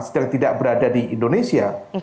sedang tidak berada di indonesia